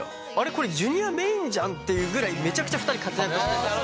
これジュニアメインじゃん？っていうぐらいめちゃくちゃ２人活躍してますんで。